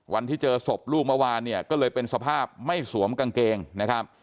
วันที่เจอศพลูกเมื่อวานเนี่ยก็เลยเป็นสภาพไม่สวมกางเกงนะครับ